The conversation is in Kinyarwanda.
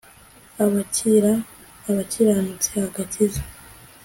Abikira abakiranutsi agakiza